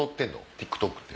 ＴｉｋＴｏｋって。